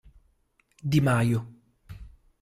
Di Maio